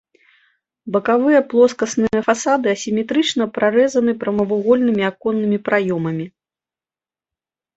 Бакавыя плоскасныя фасады асіметрычна прарэзаны прамавугольнымі аконнымі праёмамі.